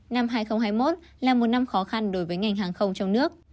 năm hai nghìn hai mươi một là một năm khó khăn đối với ngành hàng không trong nước